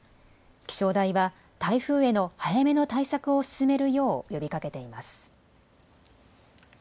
気象台は台風への早めの対策を進めるよう呼びかけています。